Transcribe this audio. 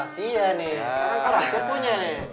sekarang karakter punya nih